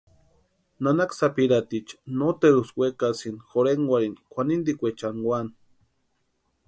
Nanaka sapirhaticha noteruksï wekasinti jorhekwarhini kwʼanintikwechani úani.